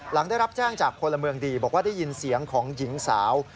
หลังได้รับแจ้งจากพลเมืองดีบอกว่าได้ยินเสียงของหญิงสาว